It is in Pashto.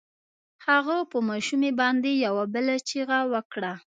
هغه په ماشومې باندې يوه بله چيغه وکړه.